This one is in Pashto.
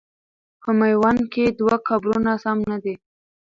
په میوند کې دوه قبرونه سم نه دي.